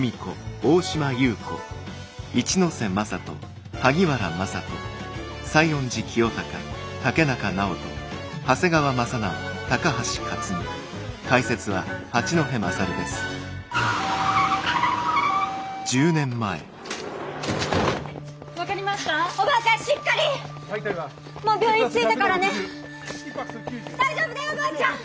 大丈夫だよおばあちゃん！